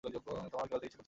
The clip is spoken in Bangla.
তোমার ক্যালাতে ইচ্ছে করছে?